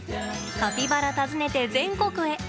カピバラ訪ねて全国へ。